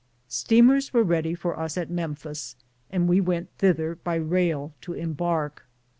Steamers were ready for us at Memphis, and we went thither by rail to embark.